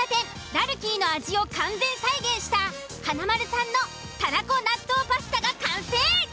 「らるきい」の味を完全再現した華丸さんのたらこ納豆パスタが完成。